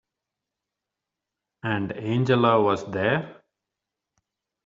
And Angela was there?